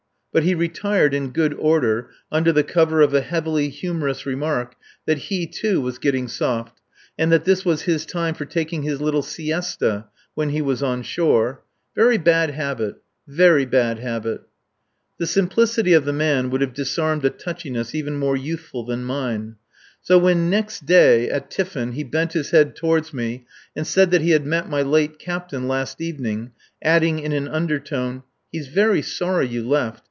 But he retired in good order, under the cover of a heavily humorous remark that he, too, was getting soft, and that this was his time for taking his little siesta when he was on shore. "Very bad habit. Very bad habit." There was a simplicity in the man which would have disarmed a touchiness even more youthful than mine. So when next day at tiffin he bent his head toward me and said that he had met my late Captain last evening, adding in an undertone: "He's very sorry you left.